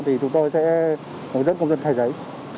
thì chúng tôi sẽ hướng dẫn công dân khai giấy